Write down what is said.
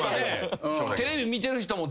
テレビ見てる人も。